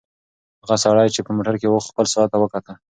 هغه سړی چې په موټر کې و خپل ساعت ته وکتل.